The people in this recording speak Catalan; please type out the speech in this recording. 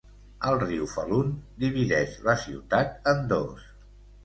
El riu Falun divideix la ciutat en dos.